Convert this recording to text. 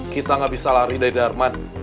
kita gak bisa lari dari darman